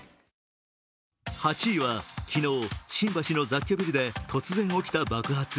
８位は昨日、新橋の雑居ビルで突然起きた爆発。